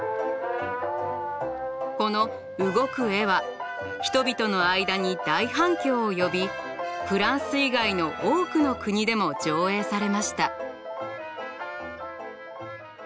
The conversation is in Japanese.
この動く絵は人々の間に大反響を呼びフランス以外の多くの国でも上映されました。